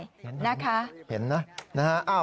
เย็นนะ